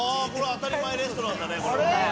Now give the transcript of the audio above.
「当たり前レストラン」だね。